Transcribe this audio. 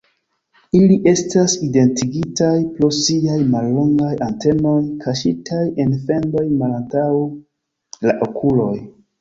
Ili estas identigitaj pro siaj mallongaj antenoj, kaŝitaj en fendoj malantaŭ la okuloj.